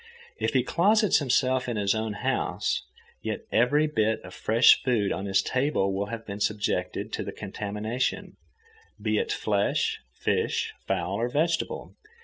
If he closets himself in his own house, yet every bit of fresh food on his table will have been subjected to the contamination, be it flesh, fish, fowl, or vegetable.